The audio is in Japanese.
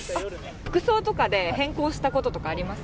服装とかで変更したこととかありますか？